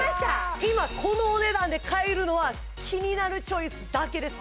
今このお値段で買えるのは「キニナルチョイス」だけです